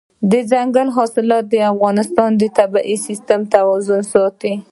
دځنګل حاصلات د افغانستان د طبعي سیسټم توازن ساتي.